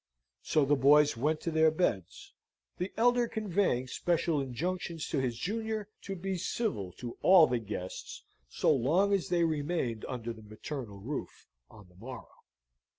So the boys went to their beds, the elder conveying special injunctions to his junior to be civil to all the guests so long as they remained under the maternal roof on the morrow.